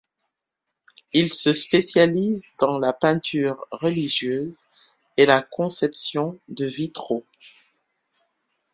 Il se spécialise dans la peinture religieuse et la conception de vitraux.